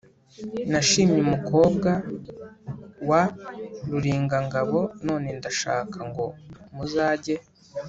nashimye umukobwa wa ruringabo none ndashaka ngo muzage